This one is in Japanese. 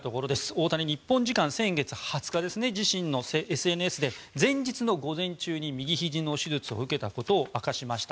大谷、日本時間先月２０日自身のＳＮＳで前日の午前中に右ひじの手術を受けたことを明かしました。